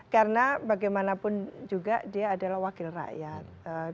karena bagaimanapun juga dia adalah wakil rakyat